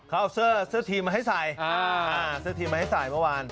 เขาเอาเสื้อเสื้อทีมมาให้ใส่เสื้อทีมมาให้ใส่เมื่อวาน